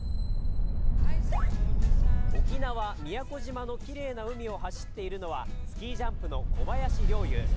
沖縄・宮古島のきれいな海を走っているのは、スキージャンプの小林陵侑。